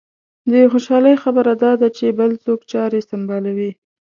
د خوشالۍ خبره دا ده چې بل څوک چارې سنبالوي.